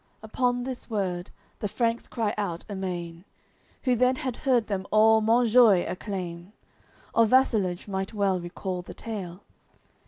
Upon this word the Franks cry out amain. Who then had heard them all "Monjoie!" acclaim Of vassalage might well recall the tale.